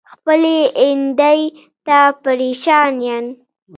خپلې ايندی ته پریشان ين